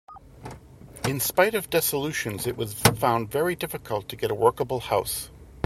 In spite of dissolutions it was found very difficult to get a workable house.